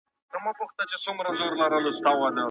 که قلم حرکت وکړي نو تیارې تښتي.